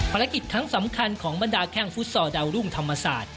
ภารกิจครั้งสำคัญของบรรดาแข้งฟุตซอลดาวรุ่งธรรมศาสตร์